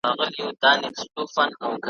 د ړندو لېونو ښار دی د هرچا په وینو سور دی ,